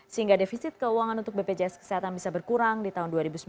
sehingga defisit keuangan untuk bpjs kesehatan bisa berkurang di tahun dua ribu sembilan belas